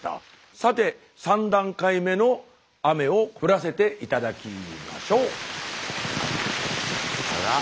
さて３段階目の雨を降らせて頂きましょう。